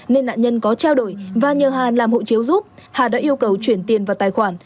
nên nạn nhân có trao đổi và nhờ hà làm hộ chiếu giúp hà đã yêu cầu chuyển tiền vào tài khoản